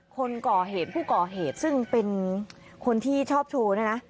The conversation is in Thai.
คนก่อเหตุผู้ก่อเหตุซึ่งเป็นคนที่ชอบโชว์เนี่ยนะ